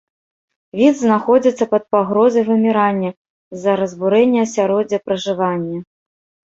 Від знаходзіцца пад пагрозай вымірання з-за разбурэння асяроддзя пражывання.